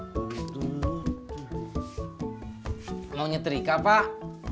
mau nyeterika pak